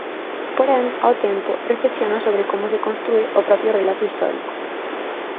Porén, ao tempo, reflexiona sobre como se constrúe o propio relato histórico.